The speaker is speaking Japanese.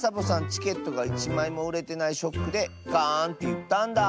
チケットがいちまいもうれてないショックでガーンっていったんだ。